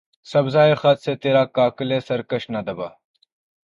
سبزہٴ خط سے ترا کاکلِ سرکش نہ دبا